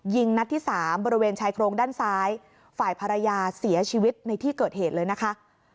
นัดที่สามบริเวณชายโครงด้านซ้ายฝ่ายภรรยาเสียชีวิตในที่เกิดเหตุเลยนะคะ